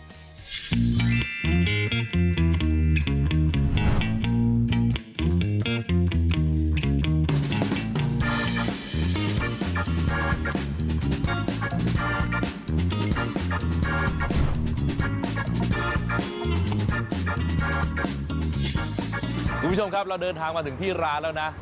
คุณผู้ชมครับเราเดินทางมาถึงที่ร้านแล้วนะ